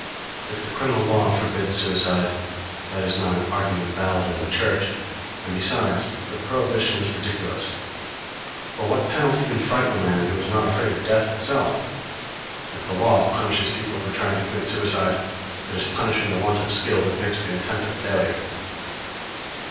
If the criminal law forbids suicide, that is not an argument valid in the Church; and besides, the prohibition is ridiculous; for what penalty can frighten a man who is not afraid of death itself? If the law punishes people for trying to commit suicide, it is punishing the want of skill that makes the attempt a failure.